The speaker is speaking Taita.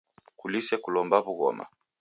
Kulise kulomba w'ughoma.